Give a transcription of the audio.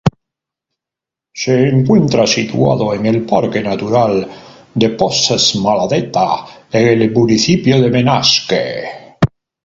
Se encuentra situado en el Parque Natural de Posets-Maladeta en el municipio de Benasque.